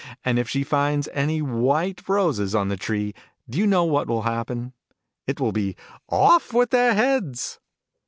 And if she finds any white roses on the tree, do you know what will happen? It will be "Of! with their heads